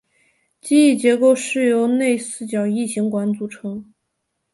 机翼结构是由内四角异型管组成。